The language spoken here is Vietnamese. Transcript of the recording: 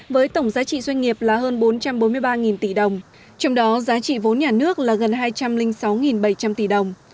với tổng giá trị doanh nghiệp là hơn bốn trăm bốn mươi ba tỷ đồng trong đó giá trị vốn nhà nước là gần hai trăm linh sáu bảy trăm linh tỷ đồng